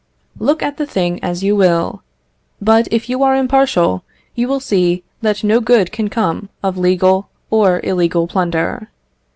Look at the thing as you will; but if you are impartial, you will see that no good can come of legal or illegal plunder.